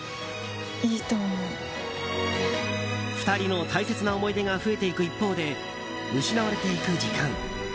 ２人の大切な思い出が増えていく一方で失われていく時間。